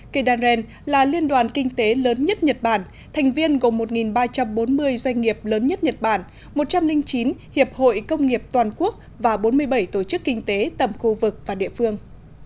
kdaren là liên đoàn kinh tế lớn nhất nhật bản thành viên gồm một ba trăm bốn mươi doanh nghiệp lớn nhất nhật bản một trăm linh chín hiệp hội công nghiệp toàn quốc và bốn mươi bảy tổ chức kinh tế tầm khu vực và địa phương